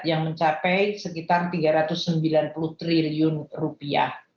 yang mencapai sekitar tiga ratus sembilan puluh triliun rupiah